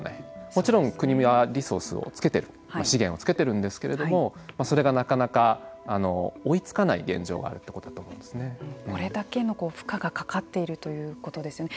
もちろん国がリソースを付けてる資源を付けているんですけれどもそれがなかなか追いつかない現状があるということだとこれだけの負荷がかかっているということですね。